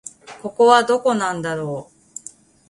ここはどこなんだろう